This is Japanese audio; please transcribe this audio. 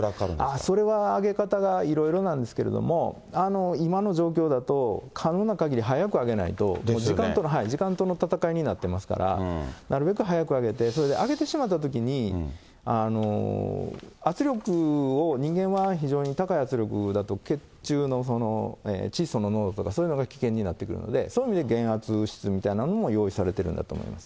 これ４０００メートルの所から上げていくのに、時間ってどれそれは上げ方がいろいろなんですけども、今の状況だと、可能なかぎり早く上げないと、時間との闘いになっていますから、なるべく早く上げて、それで上げてしまったときに、圧力を人間は非常に高い圧力だと血中の窒素の濃度とか、そういうのが危険になってくるので、そういう意味で減圧室みたいなのも用意されてるんだと思います。